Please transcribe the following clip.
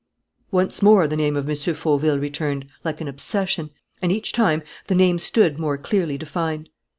Once more the name of M. Fauville returned, like an obsession; and each time the name stood more clearly defined.